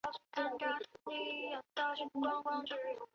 他在讲故事时模仿不同的声音效果。